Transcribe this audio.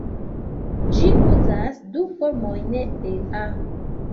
Ĝi uzas du formojn de "a".